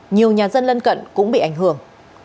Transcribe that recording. nhiều nhà dân lân cận cũng bị ảnh hưởng